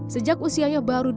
sejak usianya baru dua hari